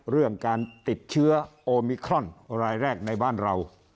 เรื่องการติดเชื้อโอมิครอนรายแรกในบ้านเรา